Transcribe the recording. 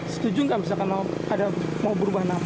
setuju nggak misalkan mau berubah nama